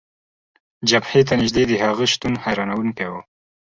جبهې ته نژدې د هغه شتون، حیرانونکی و.